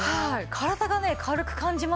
体がね軽く感じますね。